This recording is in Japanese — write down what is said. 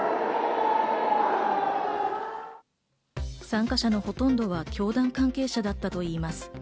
参加者のほとんどは教団関係者だったといいます。